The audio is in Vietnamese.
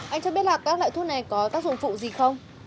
anh cho biết là các loại thuốc này có tác dụng phụ gì không